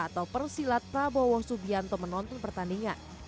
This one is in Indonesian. atau persilat prabowo subianto menonton pertandingan